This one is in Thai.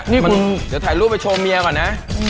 เดี๋ยวถ่ายรูปไปโชว์เมียก่อนนะ